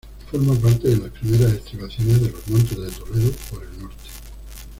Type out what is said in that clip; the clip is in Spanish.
Forma parte de las primeras estribaciones de los Montes de Toledo por el norte.